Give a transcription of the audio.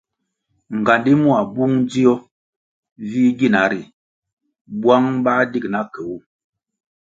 Ngandi mua bung dzio vih gina ri bwang bah dig na ke wu.